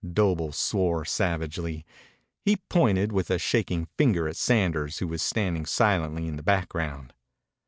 Doble swore savagely. He pointed with a shaking finger at Sanders, who was standing silently in the background.